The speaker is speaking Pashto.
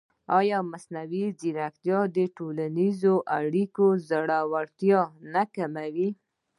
ایا مصنوعي ځیرکتیا د ټولنیزو اړیکو ژورتیا نه کموي؟